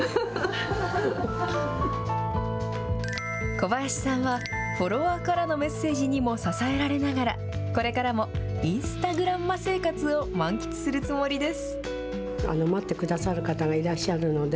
小林さんはフォロワーからのメッセージにも支えられながらこれからもインスタグランマ生活を満喫するつもりです。